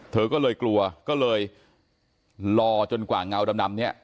เธอก็เลยกลัวก็เลยรอจนกว่าเงาดำเนี่ย